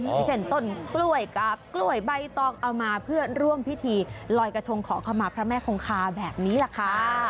เช่นต้นกล้วยกับกล้วยใบตองเอามาเพื่อร่วมพิธีลอยกระทงขอขมาพระแม่คงคาแบบนี้แหละค่ะ